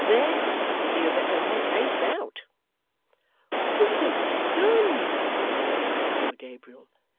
'There you had better make haste out.' 'What have I done?' said poor Gabriel.